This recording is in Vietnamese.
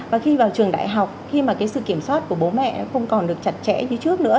và khi vào trường đại học khi mà cái sự kiểm soát của bố mẹ không còn được chặt chẽ như trước nữa